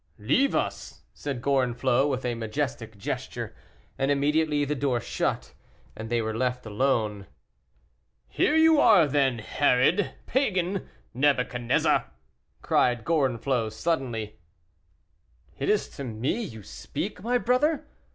"Leave us!" said Gorenflot, with a majestic gesture; and immediately the door shut, and they were left alone. "Here you are, then, Herod! pagan! Nebuchadnezzar!" cried Gorenflot, suddenly. "Is it to me you speak, my brother?"